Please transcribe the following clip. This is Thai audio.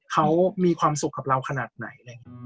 เขามีความสุขกับเราขนาดไหน